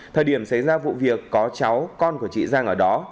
thời điểm xảy ra vụ việc có cháu con của chị giang ở đó